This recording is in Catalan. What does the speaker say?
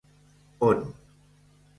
On